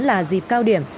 là dịp cao điểm